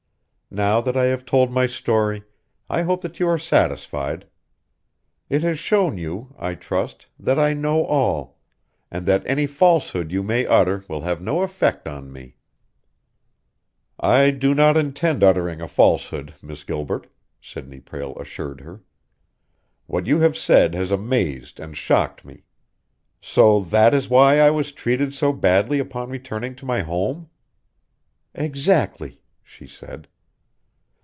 Now that I have told my story, I hope that you are satisfied. It has shown you, I trust, that I know all, and that any falsehood you may utter will have no effect on me." "I do not intend uttering a falsehood, Miss Gilbert," Sidney Prale assured her. "What you have said has amazed and shocked me. So that is why I was treated so badly upon returning to my home?" "Exactly," she said.